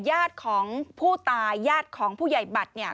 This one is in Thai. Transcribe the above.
ญาติของผู้ตายญาติของผู้ใหญ่บัตรเนี่ย